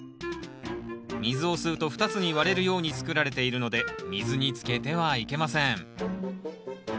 水を吸うと２つに割れるように作られているので水につけてはいけません。